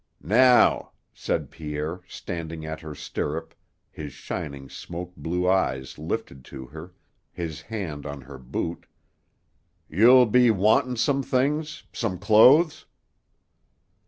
"Now," said Pierre, standing at her stirrup, his shining, smoke blue eyes lifted to her, his hand on her boot, "you'll be wantin' some things some clothes?"